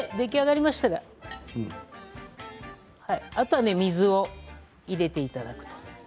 あとは水を入れていただくと。